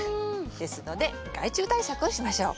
ですので害虫対策をしましょう。